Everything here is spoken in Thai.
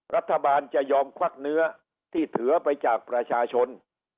รัฐบาลจะยอมควักเนื้อที่ถือไปจากประชาชน